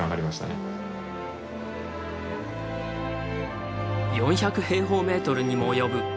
４００平方メートルにも及ぶ巨大な砂場。